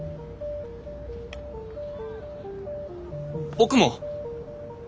僕も。